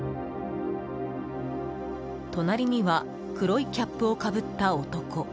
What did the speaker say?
隣には黒いキャップをかぶった男。